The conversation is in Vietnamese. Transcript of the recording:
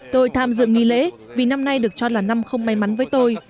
tôi tham dự nghi lễ vì năm nay được cho là năm không may mắn với tôi